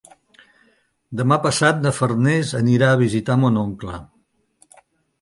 Demà passat na Farners anirà a visitar mon oncle.